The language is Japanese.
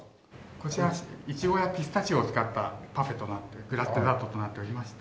こちらイチゴやピスタチオを使ったパフェとなってグラスデザートとなっておりまして。